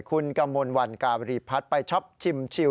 คุณกมลวันการีพัฒน์ไปช็อปชิมชิว